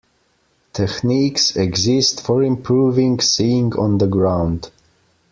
Techniques exist for improving seeing on the ground.